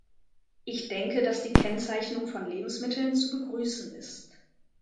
Ich denke, dass die Kennzeichnung von Lebensmitteln zu begrüßen ist.